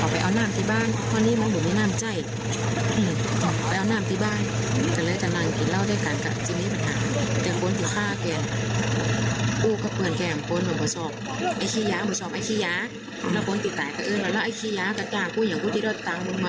พี่คี้ยากับกลางผู้หญิงกูจะได้ตามมึงไหม